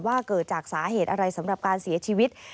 เกิดจากสาเหตุอะไรสำหรับการเสียชีวิต